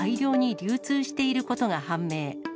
流通していることが判明。